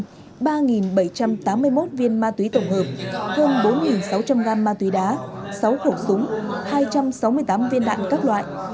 trong đó xác lập một mươi một viên ma túy tổng hợp hơn bốn sáu trăm linh gram ma túy đá sáu khẩu súng hai trăm sáu mươi tám viên đạn các loại